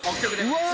うわ